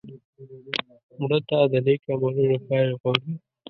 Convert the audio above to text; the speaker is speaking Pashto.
مړه ته د نیک عملونو پایله غواړو